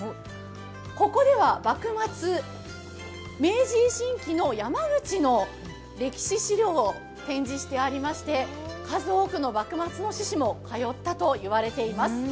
ここでは幕末、明治維新期の山口の歴史資料を展示してありまして、数多くの幕末の志士も通ったと言われています。